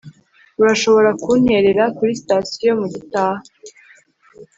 urashobora kunterera kuri sitasiyo mugitaha